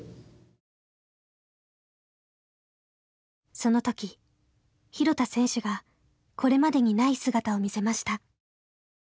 その時廣田選手がこれまでにない姿を見せました。